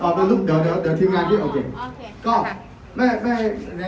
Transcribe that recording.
ควรประโยชน์ถ้ากลับไปเล่นไหนไงโอเคผมไปแล้ว